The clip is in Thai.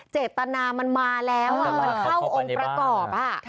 เจตนามันมาแล้วมันเข้าองค์ประกอบ